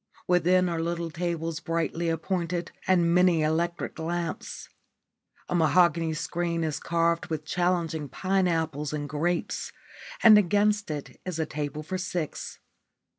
Within are little tables brightly appointed and many electric lights. A mahogany screen is carved with challenging pine apples and grapes, and against it is a table for six.